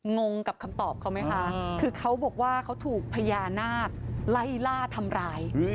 งงกับคำตอบเขาไหมคะคือเขาบอกว่าเขาถูกพญานาคไล่ล่าทำร้าย